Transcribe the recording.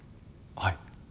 はい。